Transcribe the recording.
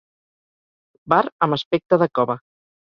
Bar amb aspecte de cova.